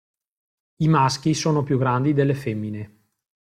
I maschi sono più grandi delle femmine.